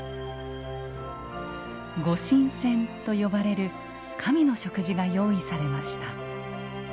御神饌と呼ばれる神の食事が用意されました。